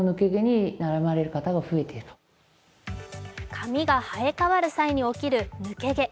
髪が生えかわる際に起きる抜け毛。